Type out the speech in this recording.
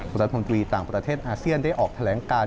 รัฐมนตรีต่างประเทศอาเซียนได้ออกแถลงการ